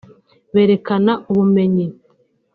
berekana ubumenyi